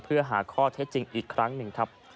เพื่อหาข้อเท็จจริงอีกครั้งหนึ่งครับ